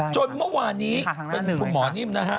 จนเมื่อวานนี้เป็นคุณหมอนิ่มนะฮะ